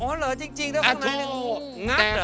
อ๋อเหรอจริงเดี๋ยวข้างในนั้น